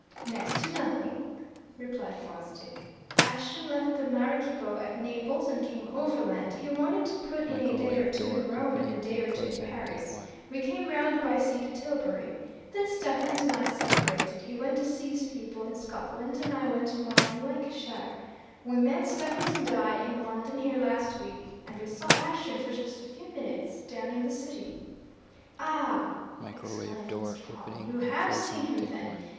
"Next to nothing," replied Fosdick. "Ashton left the Maraquibo at Naples, and came overland he wanted to put in a day or two in Rome and a day or two in Paris. We came round by sea to Tilbury. Then Stephens and I separated he went to see his people in Scotland, and I went to mine in Lancashire. We met Stephens and I in London here last week. And we saw Ashton for just a few minutes, down in the City." "Ah!" exclaimed Mr. Pawle. "You have seen him, then!